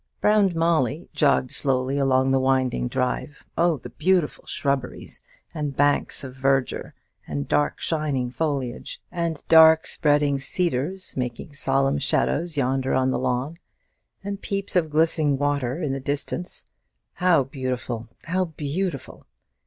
Brown Molly jogged slowly along the winding drive, oh, the beautiful shrubberies, and banks of verdure, and dark shining foliage, and spreading cedars, making solemn shadows yonder on the lawn, and peeps of glistening water in the distance; how beautiful! how beautiful!